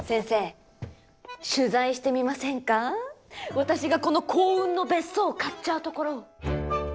私がこの幸運の別荘を買っちゃうところを。